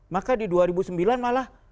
maka di dua ribu sembilan malah